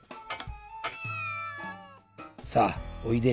さあおいで。